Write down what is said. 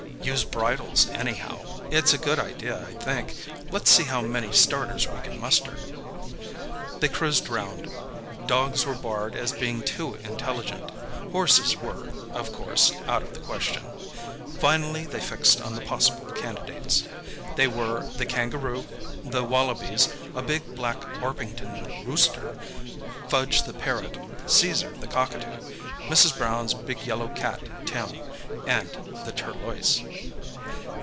Use bridles, anyhow. It's a good idea, I think. Let's see how many starters we can muster." They cruised round. Dogs were barred as being too intelligent—horses were, of course, out of the question. Finally they fixed on the possible candidates. They were the kangaroo, the wallabies, a big black Orpington "rooster," Fudge the parrot, Caesar the cockatoo, Mrs. Brown's big yellow cat, Tim, and the "turloise."